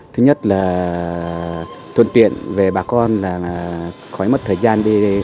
thứ nhất là thuận tiện về bà con khỏi mất thời gian đi